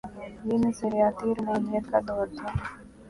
یہ نظریاتی رومانویت کا دور تھا۔